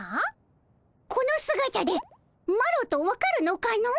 このすがたでマロと分かるのかの？